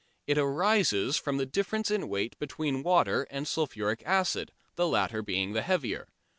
It arises from the difference in weight between water and sulphuric acid, the latter being the heavier.